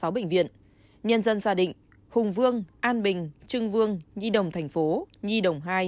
một mươi sáu bệnh viện nhân dân gia đình hùng vương an bình trưng vương nhi đồng tp nhi đồng hai